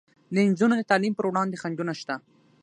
د نجونو د تعلیم پر وړاندې خنډونه شته.